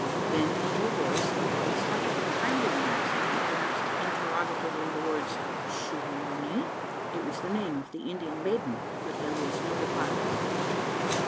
Then, in a low voice, and with a slightly trembling accent, he pronounced interrogatively, the words "Su wa nee?" It was the name of the Indian maiden; but there was no reply.